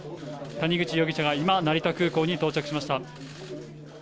谷口容疑者が今、成田空港に到着しました。